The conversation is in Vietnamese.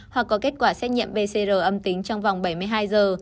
hoặc có kết quả xét nghiệm pcr âm tính trong vòng bảy mươi hai giờ